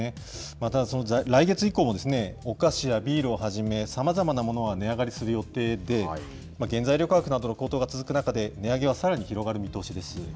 また来月以降も、お菓子やビールをはじめ、さまざまなものが値上がりする予定で、原材料価格などの高騰が続く中で、値上げはさらに広がる見通しです。